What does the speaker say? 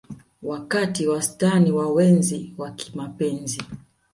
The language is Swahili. Wakati wastani wa wenzi wa kimapenzi